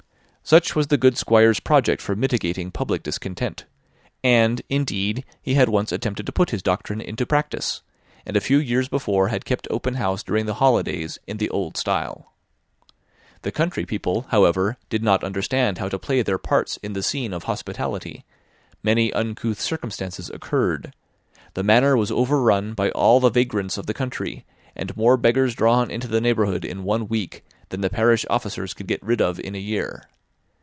Such was the good Squire's project for mitigating public discontent; and, indeed, he had once attempted to put his doctrine in practice, and a few years before had kept open house during the holidays in the old style. The country people, however, did not understand how to play their parts in the scene of hospitality; many uncouth circumstances occurred; the manor was overrun by all the vagrants of the country, and more beggars drawn into the neighbourhood in one week than the parish officers could get rid of in a year.